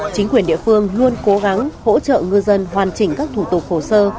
chính quyền địa phương luôn cố gắng hỗ trợ ngư dân hoàn chỉnh các thủ tục hồ sơ